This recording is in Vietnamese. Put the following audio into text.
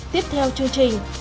tiếp theo chương trình